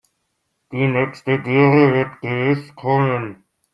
Die nächste Dürre wird gewiss kommen.